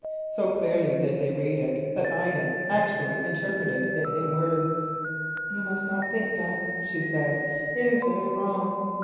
So clearly did they read it that Ida actually interpreted it in words. "You must not think that," she said, "it is very wrong."